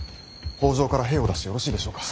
北条から兵を出してよろしいでしょうか。